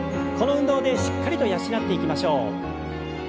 この運動でしっかりと養っていきましょう。